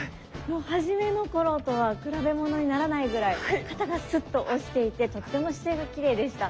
初めの頃とは比べ物にならないぐらい肩がスッと落ちていてとっても姿勢がきれいでした。